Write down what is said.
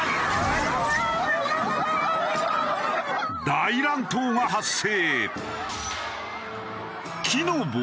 大乱闘が発生。